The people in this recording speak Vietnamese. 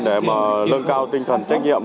để mà lưng cao tinh thần trách nhiệm